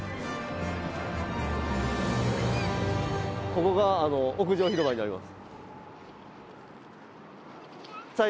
ここが屋上広場になります。